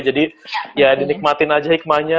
jadi ya dinikmatin aja hikmahnya